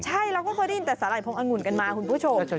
ใช่เราก็เคยได้ยินแต่สาหร่ายพงองุ่นกันมาคุณผู้ชม